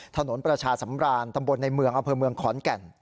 ถนนประชาสำรานตำบลในเมืองอำเภอเมืองขอนแก่น